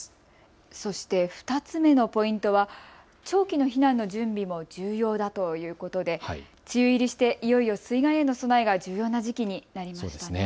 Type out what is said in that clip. そして２つ目のポイントは長期の避難の準備も重要だということで梅雨入りしていよいよ水害への備えが重要な時期になりましたね。